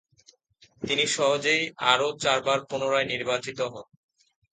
তিনি সহজেই আরও চারবার পুনরায় নির্বাচিত হন।